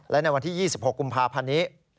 และในวันที่๒๖กุมภาพันธ์นี้